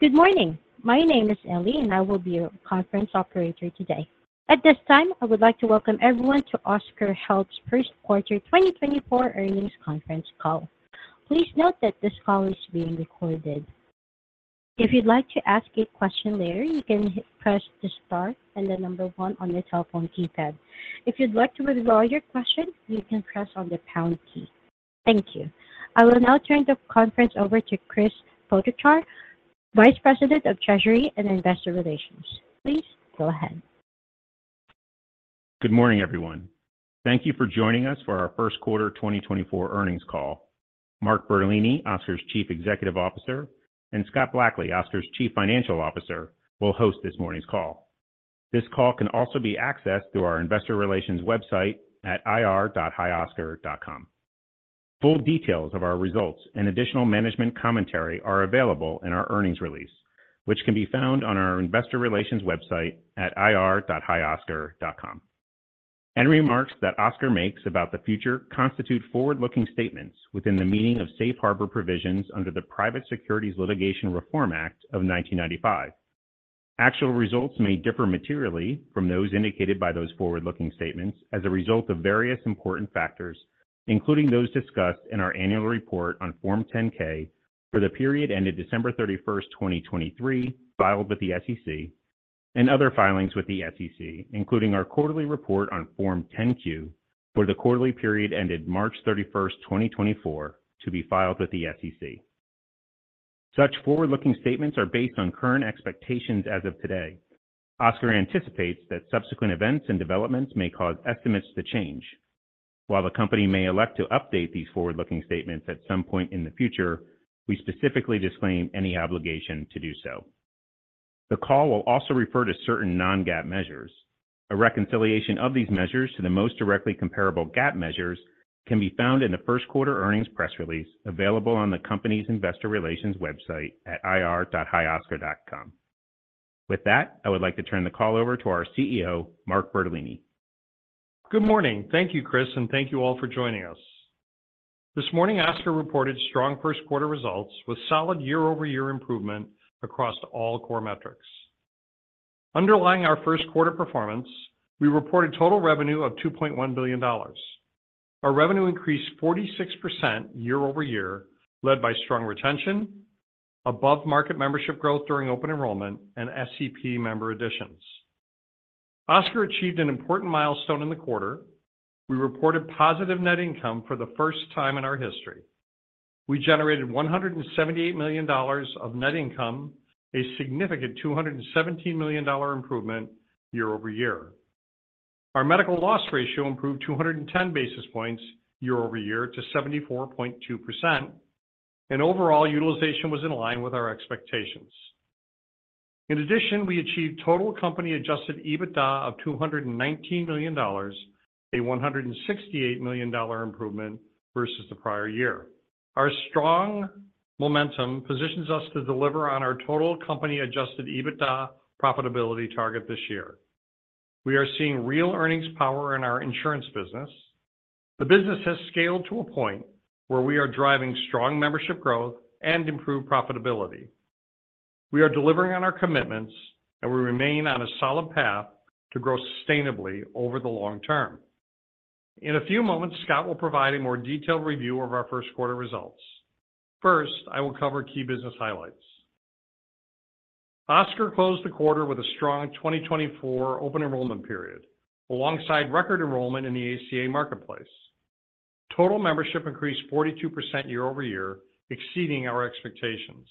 Good morning. My name is Ellie, and I will be your conference operator today. At this time, I would like to welcome everyone to Oscar Health's First Quarter 2024 Earnings Conference Call. Please note that this call is being recorded. If you'd like to ask a question later, you can press star one on your cell phone keypad. If you'd like to withdraw your question, you can press the pound key. Thank you. I will now turn the conference over to Chris Potochar, Vice President of Treasury and Investor Relations. Please go ahead. Good morning, everyone. Thank you for joining us for our first quarter 2024 earnings call. Mark Bertolini, Oscar's Chief Executive Officer, and Scott Blackley, Oscar's Chief Financial Officer, will host this morning's call. This call can also be accessed through our investor relations website at ir.hioscar.com. Full details of our results and additional management commentary are available in our Earnings Release, which can be found on our Investor Relations website at ir.hioscar.com. Any remarks that Oscar makes about the future constitute forward-looking statements within the meaning of safe harbor provisions under the Private Securities Litigation Reform Act of 1995. Actual results may differ materially from those indicated by those forward-looking statements as a result of various important factors, including those discussed in our annual report on Form 10-K for the period ended December 31, 2023, filed with the SEC, and other filings with the SEC, including our quarterly report on Form 10-Q for the quarterly period ended March 31, 2024, to be filed with the SEC. Such forward-looking statements are based on current expectations as of today. Oscar anticipates that subsequent events and developments may cause estimates to change. While the company may elect to update these forward-looking statements at some point in the future, we specifically disclaim any obligation to do so. The call will also refer to certain non-GAAP measures. A reconciliation of these measures to the most directly comparable GAAP measures can be found in the first quarter earnings press release, available on the company's Investor Relations website at ir.hioscar.com. With that, I would like to turn the call over to our CEO, Mark Bertolini. Good morning. Thank you, Chris, and thank you all for joining us. This morning, Oscar reported strong first quarter results with solid year-over-year improvement across all core metrics. Underlying our first quarter performance, we reported total revenue of $2.1 billion. Our revenue increased 46% year-over-year, led by strong retention, above-market membership growth during Open Enrollment, and SEP member additions. Oscar achieved an important milestone in the quarter. We reported positive net income for the first time in our history. We generated $178 million of net income, a significant $217 million-dollar improvement year-over-year. Our medical loss ratio improved 210 basis points year-over-year to 74.2%, and overall utilization was in line with our expectations. In addition, we achieved total company adjusted EBITDA of $219 million, a $168 million improvement versus the prior year. Our strong momentum positions us to deliver on our total company adjusted EBITDA profitability target this year. We are seeing real earnings power in our insurance business. The business has scaled to a point where we are driving strong membership growth and improved profitability. We are delivering on our commitments, and we remain on a solid path to grow sustainably over the long term. In a few moments, Scott will provide a more detailed review of our first quarter results. First, I will cover key business highlights. Oscar closed the quarter with a strong 2024 Open Enrollment period, alongside record enrollment in the ACA marketplace. Total membership increased 42% year-over-year, exceeding our expectations.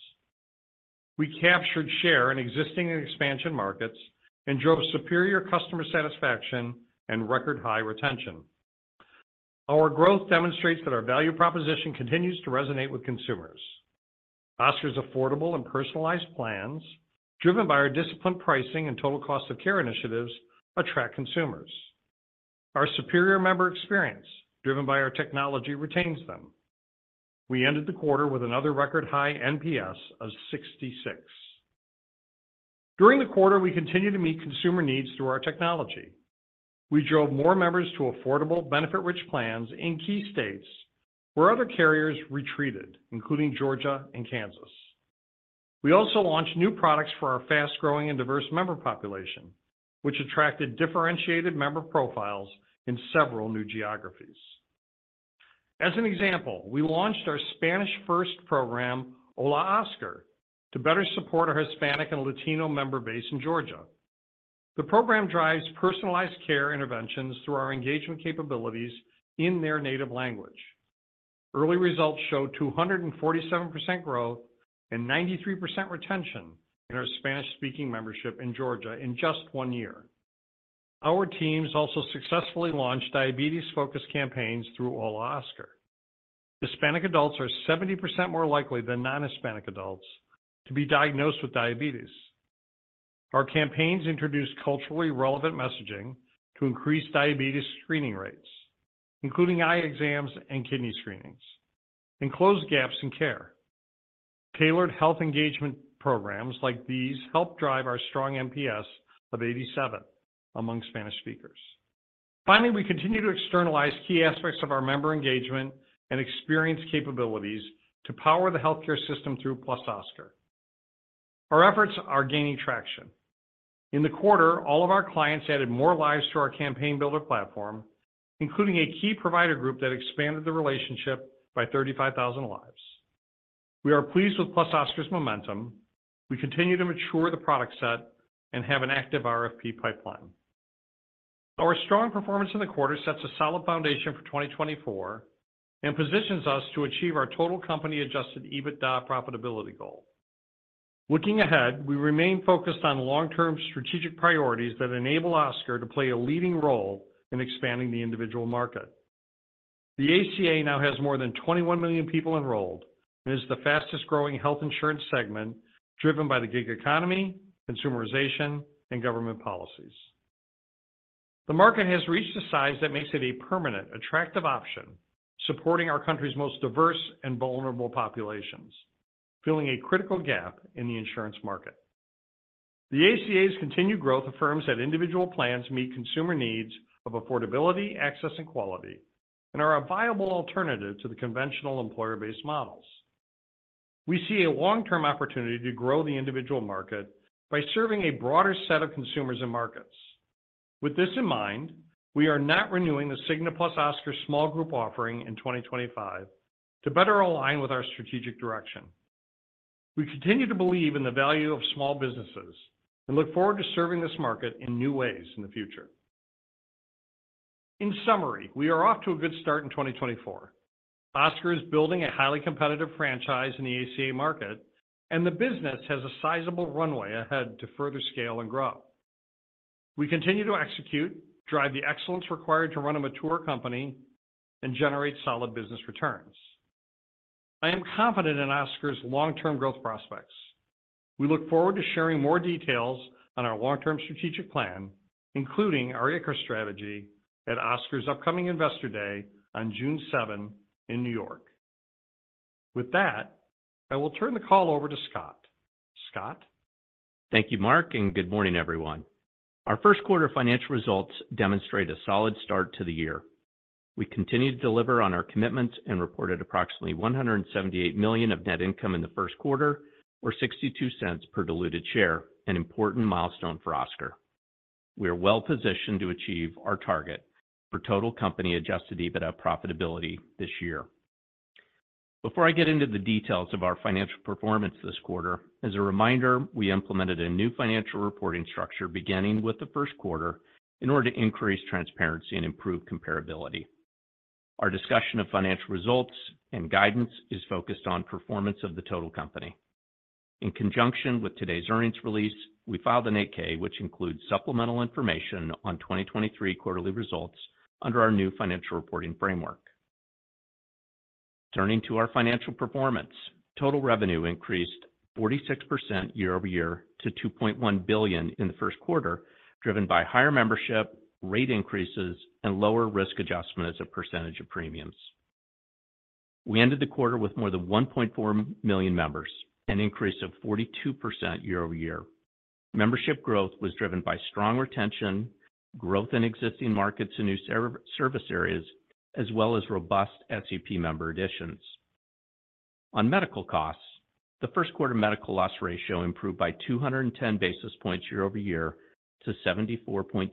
We captured share in existing and expansion markets and drove superior customer satisfaction and record-high retention. Our growth demonstrates that our value proposition continues to resonate with consumers. Oscar's affordable and personalized plans, driven by our disciplined pricing and total cost of care initiatives, attract consumers. Our superior member experience, driven by our technology, retains them. We ended the quarter with another record-high NPS of 66. During the quarter, we continued to meet consumer needs through our technology. We drove more members to affordable, benefit-rich plans in key states where other carriers retreated, including Georgia and Kansas. We also launched new products for our fast-growing and diverse member population, which attracted differentiated member profiles in several new geographies. As an example, we launched our Spanish first program, Hola Oscar, to better support our Hispanic and Latino member base in Georgia. The program drives personalized care interventions through our engagement capabilities in their native language. Early results show 247% growth and 93% retention in our Spanish-speaking membership in Georgia in just one year. Our teams also successfully launched diabetes-focused campaigns through Hola Oscar. Hispanic adults are 70% more likely than non-Hispanic adults to be diagnosed with diabetes. Our campaigns introduced culturally relevant messaging to increase diabetes screening rates, including eye exams and kidney screenings, and close gaps in care. Tailored health engagement programs like these help drive our strong NPS of 87 among Spanish speakers. Finally, we continue to externalize key aspects of our member engagement and experience capabilities to power the healthcare system through +Oscar. Our efforts are gaining traction. In the quarter, all of our clients added more lives to our Campaign Builder platform, including a key provider group that expanded the relationship by 35,000 lives. We are pleased with +Oscar's momentum. We continue to mature the product set and have an active RFP pipeline. Our strong performance in the quarter sets a solid foundation for 2024, and positions us to achieve our total company adjusted EBITDA profitability goal. Looking ahead, we remain focused on long-term strategic priorities that enable Oscar to play a leading role in expanding the individual market. The ACA now has more than 21 million people enrolled, and is the fastest growing health insurance segment, driven by the gig economy, consumerization, and government policies. The market has reached a size that makes it a permanent, attractive option, supporting our country's most diverse and vulnerable populations, filling a critical gap in the insurance market. The ACA's continued growth affirms that individual plans meet consumer needs of affordability, access, and quality, and are a viable alternative to the conventional employer-based models. We see a long-term opportunity to grow the individual market by serving a broader set of consumers and markets. With this in mind, we are not renewing the Cigna + Oscar small group offering in 2025 to better align with our strategic direction. We continue to believe in the value of small businesses, and look forward to serving this market in new ways in the future. In summary, we are off to a good start in 2024. Oscar is building a highly competitive franchise in the ACA market, and the business has a sizable runway ahead to further scale and grow. We continue to execute, drive the excellence required to run a mature company, and generate solid business returns. I am confident in Oscar's long-term growth prospects. We look forward to sharing more details on our long-term strategic plan, including our ICHRA strategy, at Oscar's upcoming Investor Day on June 7th, in New York. With that, I will turn the call over to Scott. Scott? Thank you, Mark, and good morning, everyone. Our first quarter financial results demonstrate a solid start to the year. We continued to deliver on our commitments and reported approximately $178 million of net income in the first quarter, or $0.62 per diluted share, an important milestone for Oscar. We are well positioned to achieve our target for total company adjusted EBITDA profitability this year. Before I get into the details of our financial performance this quarter, as a reminder, we implemented a new financial reporting structure beginning with the first quarter in order to increase transparency and improve comparability. Our discussion of financial results and guidance is focused on performance of the total company. In conjunction with today's earnings release, we filed an 8-K, which includes supplemental information on 2023 quarterly results under our new financial reporting framework. Turning to our financial performance, total revenue increased 46% year-over-year to $2.1 billion in the first quarter, driven by higher membership, rate increases, and lower risk adjustment as a percentage of premiums. We ended the quarter with more than 1.4 million members, an increase of 42% year-over-year. Membership growth was driven by strong retention, growth in existing markets and new service areas, as well as robust SEP member additions. On medical costs, the first quarter medical loss ratio improved by 210 basis points year-over-year to 74.2%,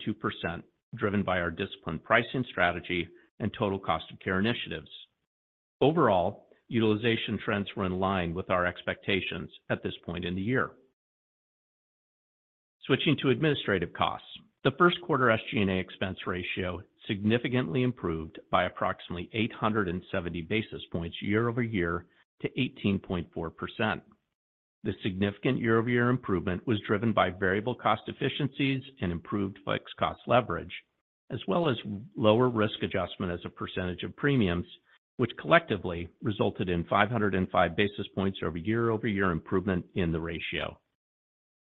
driven by our disciplined pricing strategy and total cost of care initiatives. Overall, utilization trends were in line with our expectations at this point in the year. Switching to administrative costs. The first quarter SG&A expense ratio significantly improved by approximately 870 basis points year-over-year to 18.4%. The significant year-over-year improvement was driven by variable cost efficiencies and improved fixed cost leverage, as well as lower risk adjustment as a percentage of premiums, which collectively resulted in 505 basis points year-over-year improvement in the ratio.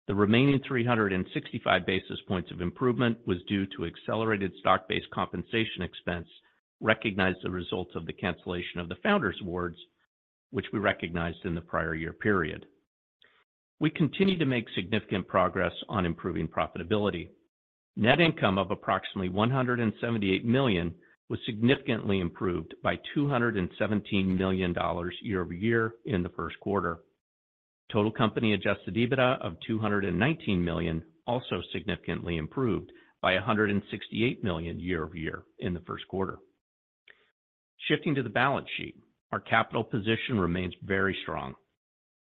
The remaining 365 basis points of improvement was due to accelerated stock-based compensation expense, recognized as a result of the cancellation of the Founders' Awards, which we recognized in the prior year period. We continue to make significant progress on improving profitability. Net income of approximately $178 million was significantly improved by $217 million year-over-year in the first quarter. Total company adjusted EBITDA of $219 million, also significantly improved by $168 million year-over-year in the first quarter. Shifting to the balance sheet, our capital position remains very strong.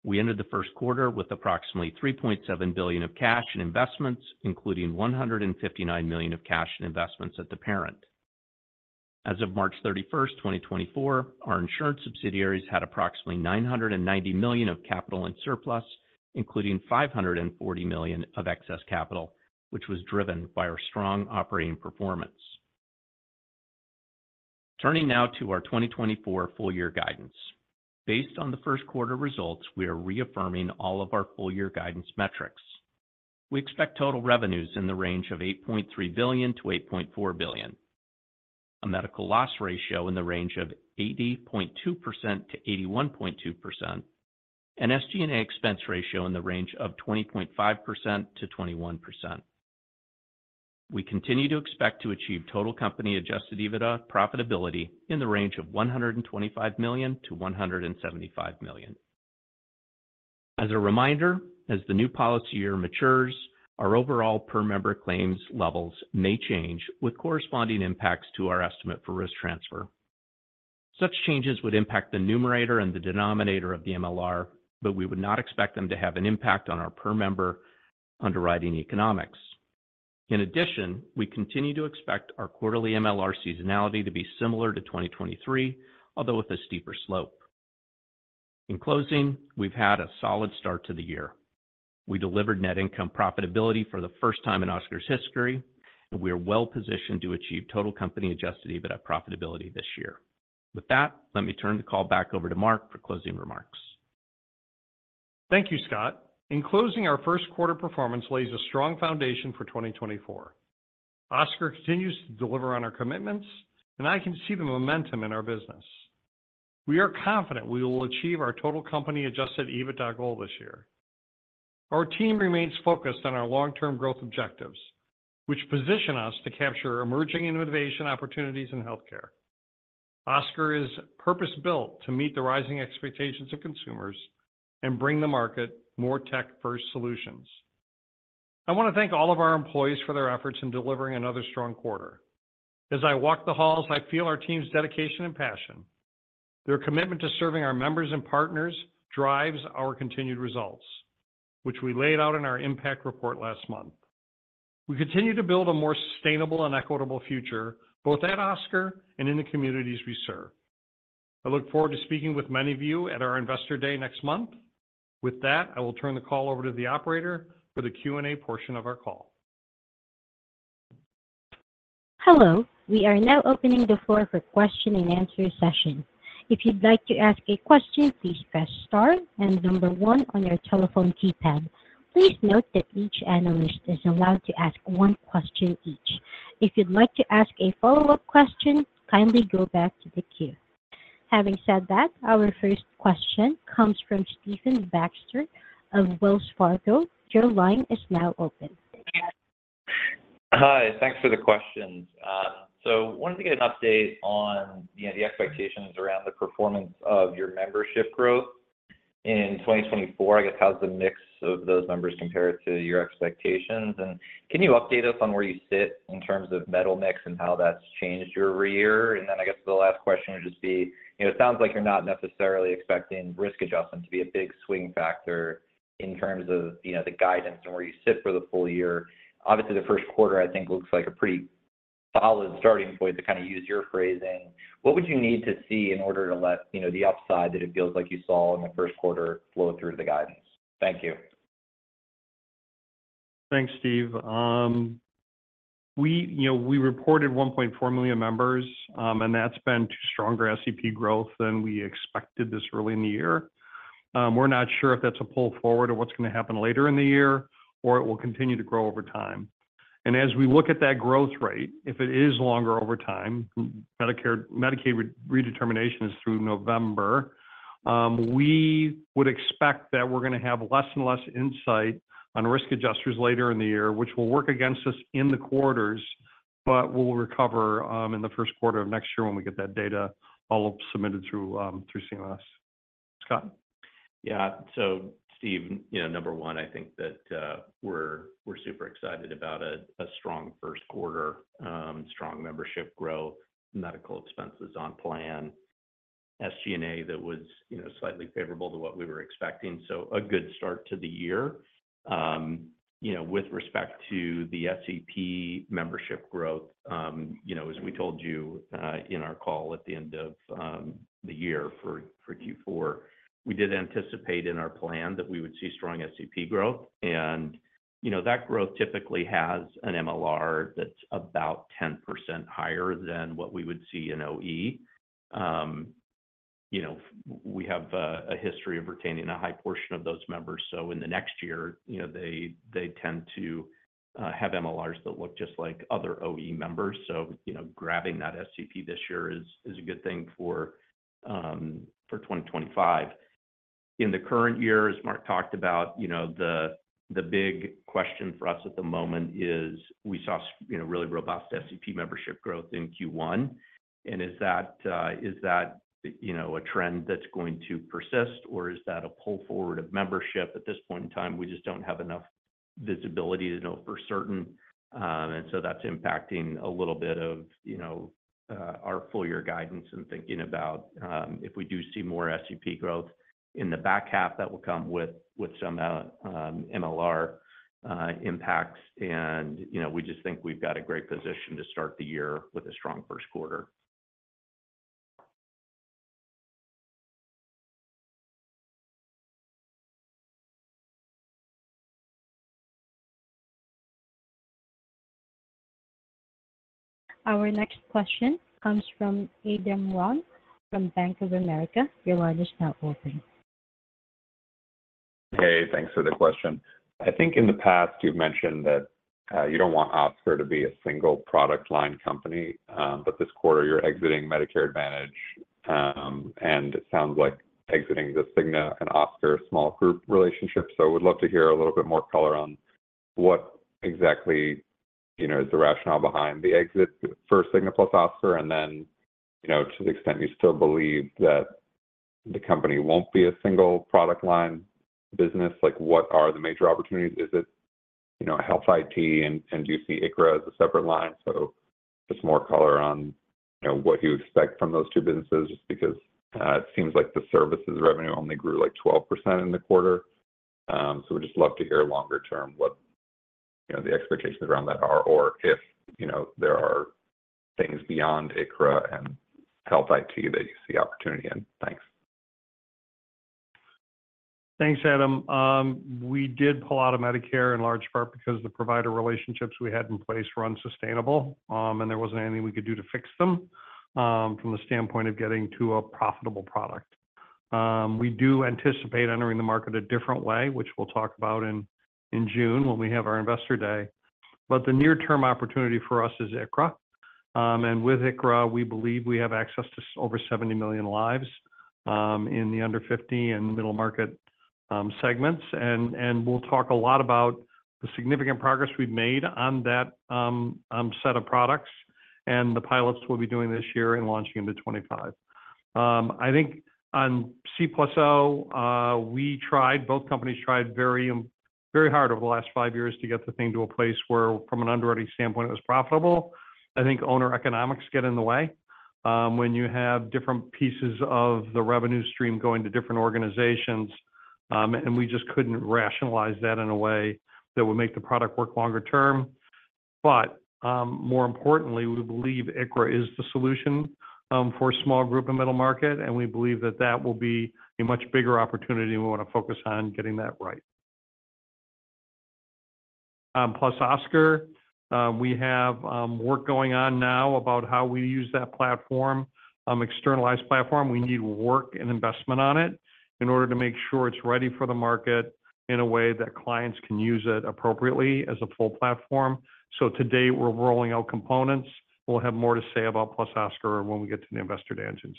We ended the first quarter with approximately $3.7 billion of cash and investments, including $159 million of cash and investments at the parent. As of March 31, 2024, our insurance subsidiaries had approximately $990 million of capital and surplus, including $540 million of excess capital, which was driven by our strong operating performance. Turning now to our 2024 full year guidance. Based on the first quarter results, we are reaffirming all of our full year guidance metrics. We expect total revenues in the range of $8.3 billion-$8.4 billion. A medical loss ratio in the range of 80.2%-81.2%, and SG&A expense ratio in the range of 20.5%-21%. We continue to expect to achieve total company adjusted EBITDA profitability in the range of $125 million-$175 million. As a reminder, as the new policy year matures, our overall per member claims levels may change, with corresponding impacts to our estimate for risk transfer. Such changes would impact the numerator and the denominator of the MLR, but we would not expect them to have an impact on our per member underwriting economics. In addition, we continue to expect our quarterly MLR seasonality to be similar to 2023, although with a steeper slope. In closing, we've had a solid start to the year. We delivered net income profitability for the first time in Oscar's history, and we are well positioned to achieve total company adjusted EBITDA profitability this year. With that, let me turn the call back over to Mark for closing remarks. Thank you, Scott. In closing, our first quarter performance lays a strong foundation for 2024. Oscar continues to deliver on our commitments, and I can see the momentum in our business. We are confident we will achieve our total company adjusted EBITDA goal this year. Our team remains focused on our long-term growth objectives, which position us to capture emerging innovation opportunities in healthcare. Oscar is purpose-built to meet the rising expectations of consumers and bring the market more tech-first solutions. I want to thank all of our employees for their efforts in delivering another strong quarter. As I walk the halls, I feel our team's dedication and passion. Their commitment to serving our members and partners drives our continued results, which we laid out in our impact report last month. We continue to build a more sustainable and equitable future, both at Oscar and in the communities we serve. I look forward to speaking with many of you at our Investor Day next month. With that, I will turn the call over to the operator for the Q&A portion of our call. Hello, we are now opening the floor for question-and-answer session. If you'd like to ask a question, please press star and number one on your telephone keypad. Please note that each analyst is allowed to ask one question each. If you'd like to ask a follow-up question, kindly go back to the queue. Having said that, our first question comes from Stephen Baxter of Wells Fargo. Your line is now open. Hi, thanks for the questions. So wanted to get an update on, you know, the expectations around the performance of your membership growth in 2024. I guess, how's the mix of those numbers compared to your expectations? And can you update us on where you sit in terms of metal mix and how that's changed your year? And then I guess the last question would just be, you know, it sounds like you're not necessarily expecting risk adjustment to be a big swing factor in terms of, you know, the guidance and where you sit for the full year. Obviously, the first quarter, I think, looks like a pretty solid starting point, to kind of use your phrasing. What would you need to see in order to let you know the upside that it feels like you saw in the first quarter flow through to the guidance? Thank you. Thanks, Steve. We, you know, we reported 1.4 million members, and that's due to stronger SEP growth than we expected this early in the year. We're not sure if that's a pull forward or what's gonna happen later in the year, or it will continue to grow over time. And as we look at that growth rate, if it is longer over time, Medicaid redetermination is through November, we would expect that we're gonna have less and less insight on risk adjustment later in the year, which will work against us in the quarters, but we'll recover in the first quarter of next year when we get that data all submitted through CMS. Scott? Yeah. So Steve, you know, number one, I think that we're super excited about a strong first quarter, strong membership growth, medical expenses on plan, SG&A that was, you know, slightly favorable to what we were expecting. So a good start to the year. You know, with respect to the SEP membership growth, you know, as we told you in our call at the end of the year for Q4, we did anticipate in our plan that we would see strong SEP growth. And, you know, that growth typically has an MLR that's about 10% higher than what we would see in OE. You know, we have a history of retaining a high portion of those members, so in the next year, you know, they tend to have MLRs that look just like other OE members. So, you know, grabbing that SEP this year is a good thing for 2025. In the current year, as Mark talked about, you know, the big question for us at the moment is, we saw you know, really robust SEP membership growth in Q1, and is that, you know, a trend that's going to persist, or is that a pull forward of membership? At this point in time, we just don't have enough visibility to know for certain. And so that's impacting a little bit of, you know, our full year guidance and thinking about, if we do see more SEP growth in the back half, that will come with some MLR impacts. And, you know, we just think we've got a great position to start the year with a strong first quarter. Our next question comes from Adam Ron from Bank of America. Your line is now open. ... Hey, thanks for the question. I think in the past, you've mentioned that, you don't want Oscar to be a single product line company, but this quarter, you're exiting Medicare Advantage, and it sounds like exiting the Cigna and Oscar small group relationship. So would love to hear a little bit more color on what exactly, you know, is the rationale behind the exit for Cigna + Oscar, and then, you know, to the extent you still believe that the company won't be a single product line business, like, what are the major opportunities? Is it, you know, health IT, and, and do you see ICHRA as a separate line? So just more color on, you know, what you expect from those two businesses, just because, it seems like the services revenue only grew, like, 12% in the quarter. So we'd just love to hear longer term what, you know, the expectations around that are, or if, you know, there are things beyond ICHRA and health IT that you see opportunity in? Thanks. Thanks, Adam. We did pull out of Medicare in large part because the provider relationships we had in place were unsustainable, and there wasn't anything we could do to fix them, from the standpoint of getting to a profitable product. We do anticipate entering the market a different way, which we'll talk about in June when we have our Investor Day. But the near term opportunity for us is ICHRA. And with ICHRA, we believe we have access to over 70 million lives, in the under 50 and middle market segments. And we'll talk a lot about the significant progress we've made on that set of products and the pilots we'll be doing this year and launching into 2025. I think on Cigna + Oscar, we tried—both companies tried very, very hard over the last five years to get the thing to a place where, from an underwriting standpoint, it was profitable. I think owner economics get in the way, when you have different pieces of the revenue stream going to different organizations, and we just couldn't rationalize that in a way that would make the product work longer term. But, more importantly, we believe ICHRA is the solution, for small group and middle market, and we believe that that will be a much bigger opportunity, and we want to focus on getting that right. +Oscar, we have, work going on now about how we use that platform, externalized platform. We need work and investment on it in order to make sure it's ready for the market in a way that clients can use it appropriately as a full platform. So today, we're rolling out components. We'll have more to say about +Oscar when we get to the Investor Day in June.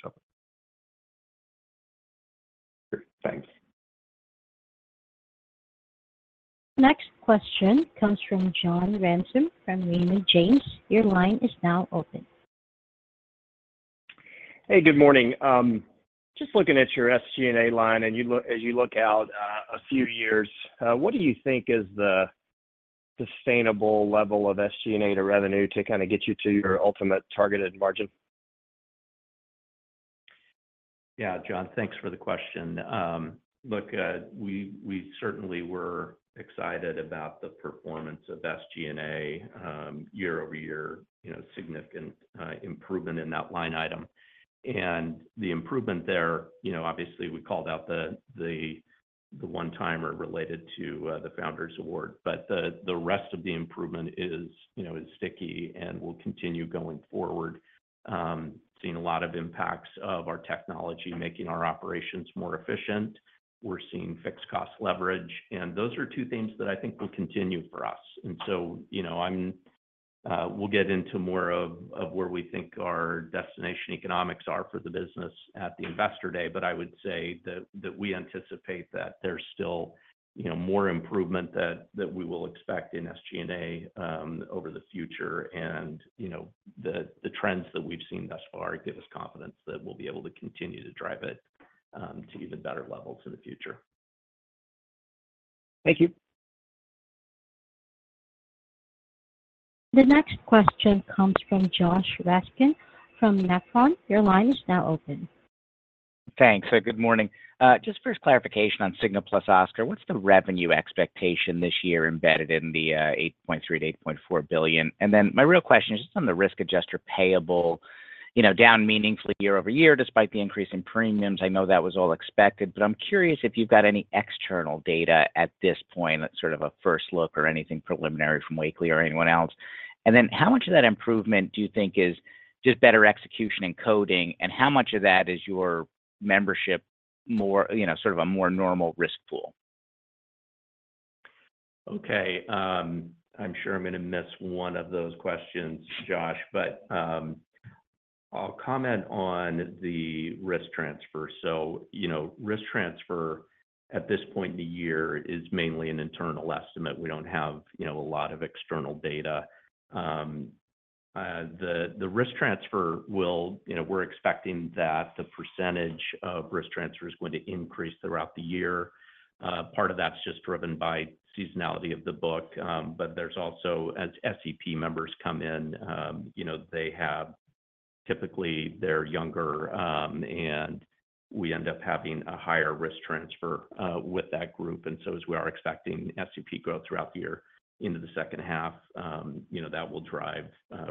Great. Thanks. Next question comes from John Ransom from Raymond James. Your line is now open. Hey, good morning. Just looking at your SG&A line, and as you look out a few years, what do you think is the sustainable level of SG&A to revenue to kind of get you to your ultimate targeted margin? Yeah, John, thanks for the question. Look, we certainly were excited about the performance of SG&A year-over-year, you know, significant improvement in that line item. And the improvement there, you know, obviously, we called out the one-timer related to the Founder's Award, but the rest of the improvement is, you know, sticky and will continue going forward. Seeing a lot of impacts of our technology, making our operations more efficient. We're seeing fixed cost leverage, and those are two things that I think will continue for us. And so, you know, I'm... We'll get into more of where we think our destination economics are for the business at the Investor Day, but I would say that we anticipate that there's still, you know, more improvement that we will expect in SG&A over the future. And, you know, the trends that we've seen thus far give us confidence that we'll be able to continue to drive it to even better levels in the future. Thank you. The next question comes from Josh Raskin from Nephron Research. Your line is now open. Thanks. Good morning. Just first clarification on Cigna + Oscar. What's the revenue expectation this year embedded in the $8.3 billion-$8.4 billion? And then my real question is just on the risk adjustment payable, you know, down meaningfully year-over-year, despite the increase in premiums. I know that was all expected, but I'm curious if you've got any external data at this point, that's sort of a first look or anything preliminary from Wakely or anyone else. And then how much of that improvement do you think is just better execution and coding, and how much of that is your membership more, you know, sort of a more normal risk pool? Okay, I'm sure I'm gonna miss one of those questions, Josh, but, I'll comment on the risk transfer. So, you know, risk transfer at this point in the year is mainly an internal estimate. We don't have, you know, a lot of external data. The risk transfer will-- you know, we're expecting that the percentage of risk transfer is going to increase throughout the year. Part of that's just driven by seasonality of the book, but there's also, as SEP members come in, you know, they have... typically, they're younger, and we end up having a higher risk transfer with that group. And so as we are expecting SEP growth throughout the year into the second half, you know, that will drive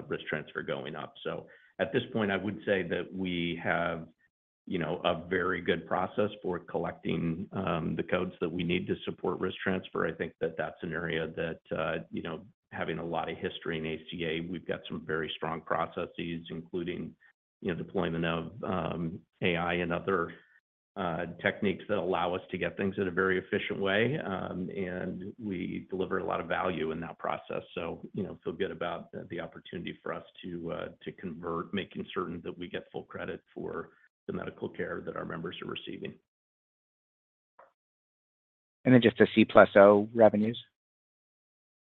risk transfer going up. So at this point, I would say that we have, you know, a very good process for collecting the codes that we need to support risk transfer. I think that that's an area that, you know, having a lot of history in ACA, we've got some very strong processes, including, you know, deployment of AI and other techniques that allow us to get things in a very efficient way. And we deliver a lot of value in that process. So, you know, feel good about the opportunity for us to convert, making certain that we get full credit for the medical care that our members are receiving. Then just the C+O revenues?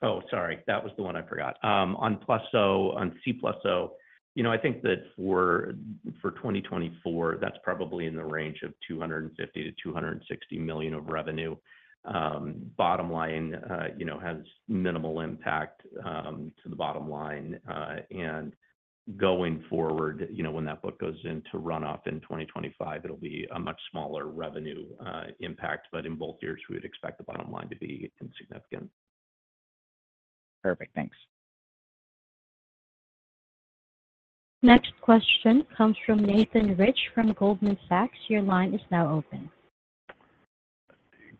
Oh, sorry, that was the one I forgot. On +O, on C+O, you know, I think that for 2024, that's probably in the range of $250 million-$260 million of revenue. Bottom line, you know, has minimal impact to the bottom line. And going forward, you know, when that book goes into run off in 2025, it'll be a much smaller revenue impact. But in both years, we would expect the bottom line to be insignificant. Perfect. Thanks. Next question comes from Nathan Rich, from Goldman Sachs. Your line is now open.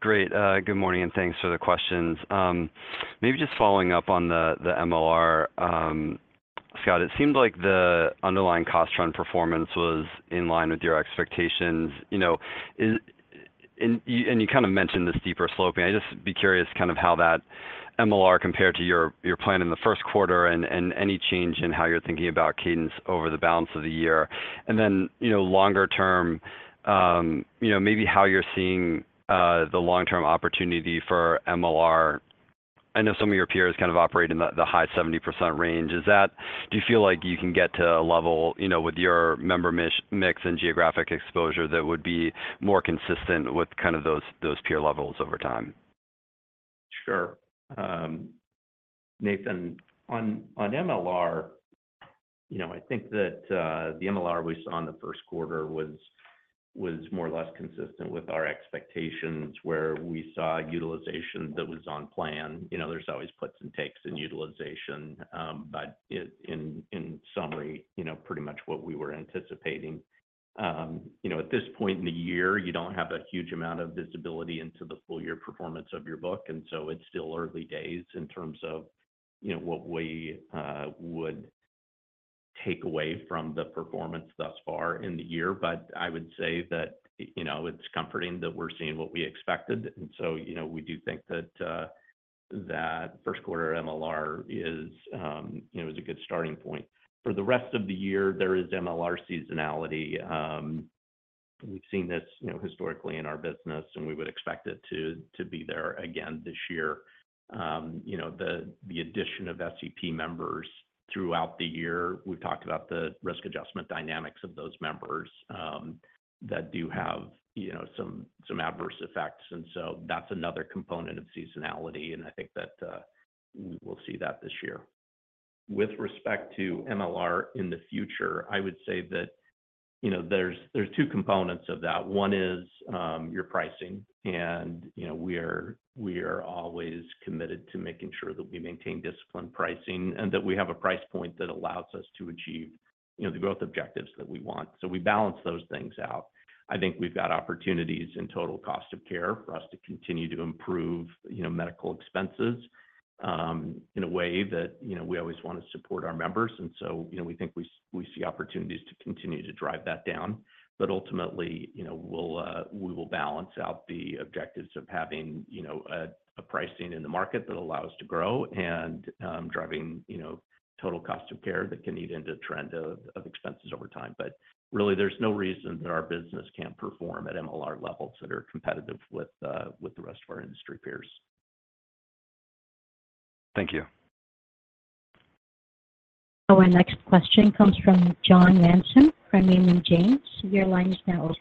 Great. Good morning, and thanks for the questions. Maybe just following up on the MLR. Scott, it seemed like the underlying cost run performance was in line with your expectations. You know, and you kind of mentioned this steeper sloping. I'd just be curious, kind of, how that MLR compared to your plan in the first quarter, and any change in how you're thinking about cadence over the balance of the year. And then, you know, longer term, you know, maybe how you're seeing the long-term opportunity for MLR. I know some of your peers kind of operate in the high 70% range. Is that, do you feel like you can get to a level, you know, with your member mix and geographic exposure, that would be more consistent with, kind of, those peer levels over time? Sure. Nathan, on MLR, you know, I think that the MLR we saw in the first quarter was more or less consistent with our expectations, where we saw utilization that was on plan. You know, there's always puts and takes in utilization, but in summary, you know, pretty much what we were anticipating. You know, at this point in the year, you don't have a huge amount of visibility into the full year performance of your book, and so it's still early days in terms of, you know, what we would take away from the performance thus far in the year. But I would say that, you know, it's comforting that we're seeing what we expected. And so, you know, we do think that that first quarter MLR is, you know, a good starting point. For the rest of the year, there is MLR seasonality. We've seen this, you know, historically in our business, and we would expect it to be there again this year. You know, the addition of SEP members throughout the year, we've talked about the risk adjustment dynamics of those members, that do have, you know, some adverse effects. And so that's another component of seasonality, and I think that we will see that this year. With respect to MLR in the future, I would say that, you know, there's two components of that. One is your pricing, and, you know, we are always committed to making sure that we maintain disciplined pricing, and that we have a price point that allows us to achieve, you know, the growth objectives that we want. So we balance those things out. I think we've got opportunities in total cost of care for us to continue to improve, you know, medical expenses, in a way that, you know, we always want to support our members. So, you know, we think we see opportunities to continue to drive that down. But ultimately, you know, we will balance out the objectives of having, you know, a pricing in the market that allows to grow and, driving, you know, total cost of care that can eat into trend of expenses over time. But really, there's no reason that our business can't perform at MLR levels that are competitive with the rest of our industry peers. Thank you. Our next question comes from John Ransom, from Raymond James. Your line is now open.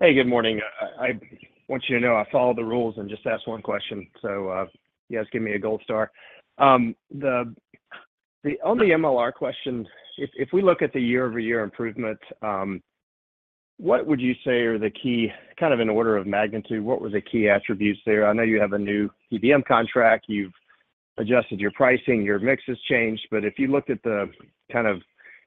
Hey, good morning. I want you to know, I followed the rules and just asked one question, so you guys give me a gold star. The only MLR question, if we look at the year-over-year improvement, what would you say are the key - kind of in order of magnitude, what were the key attributes there? I know you have a new PBM contract, you've adjusted your pricing, your mix has changed, but if you looked at the kind of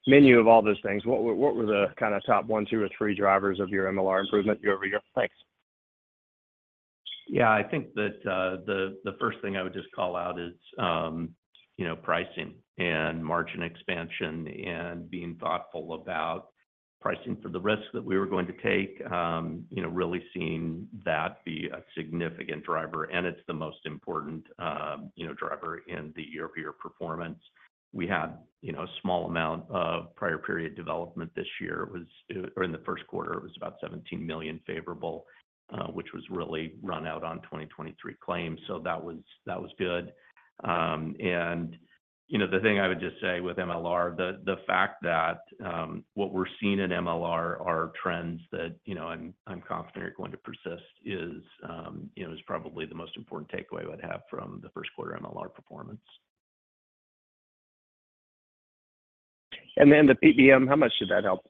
menu of all those things, what were the top one, two, or three drivers of your MLR improvement year over year? Thanks. Yeah. I think that the first thing I would just call out is, you know, pricing and margin expansion, and being thoughtful about pricing for the risks that we were going to take. You know, really seeing that be a significant driver, and it's the most important, you know, driver in the year-over-year performance. We had, you know, a small amount of prior period development this year. It was or in the first quarter, it was about $17 million favorable, which was really run out on 2023 claims, so that was good. And, you know, the thing I would just say with MLR, the fact that what we're seeing in MLR are trends that, you know, I'm confident are going to persist, is, you know, is probably the most important takeaway I'd have from the first quarter MLR performance. The PBM, how much did that help?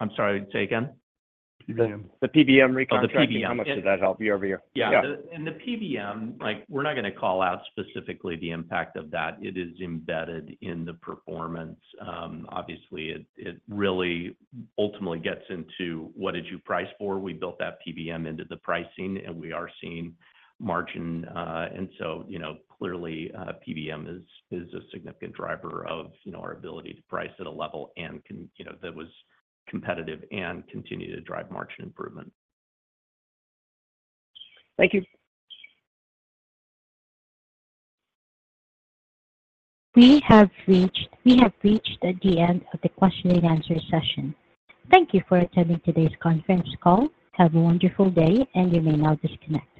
I'm sorry, say again. The PBM recontracting- Oh, the PBM. How much did that help year-over-year? Yeah. Yeah. In the PBM, like, we're not gonna call out specifically the impact of that. It is embedded in the performance. Obviously, it really ultimately gets into what did you price for? We built that PBM into the pricing, and we are seeing margin. And so, you know, clearly, PBM is a significant driver of, you know, our ability to price at a level, and can, you know, that was competitive and continue to drive margin improvement. Thank you. We have reached the end of the question-and-answer session. Thank you for attending today's conference call. Have a wonderful day, and you may now disconnect.